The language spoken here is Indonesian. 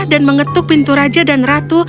dan mengetuk pintu raja dan ratu